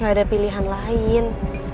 gak ada pilihan lain